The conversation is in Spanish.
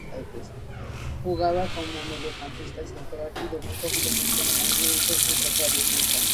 Jugaba como mediocampista central y debutó profesionalmente en Rosario Central.